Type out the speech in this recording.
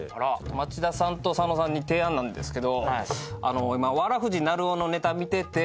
町田さんと佐野さんに提案なんですけどあの今わらふぢなるおのネタ見てて。